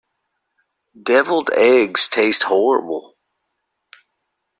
Devilled eggs taste horrible.